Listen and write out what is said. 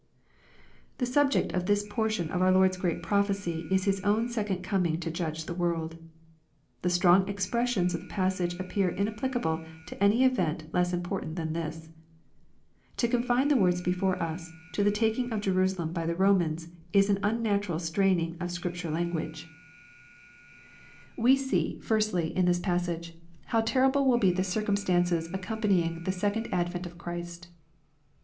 The subject of this portion of our Lord's great prophecy is His own second coming to judge the world. The strong expressions of the passage appear inapplicable to any event less important than this. To confine the words before us, to the taking of Jerusalem by the Romans, ml an unnatural straining of Scripture language. LUKE, CHAP. XXI. 375 We see, firstly, in this passage, how terrible will he the circumstances accompanying the second advent of Christ.